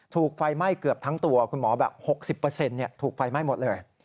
ถูกไฟไหม้เกือบทั้งตัวคุณหมอแบบ๖๐ถูกไฟไหม้หมดเลย